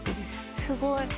すごい。